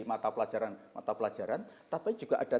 mata pelajaran tapi juga ada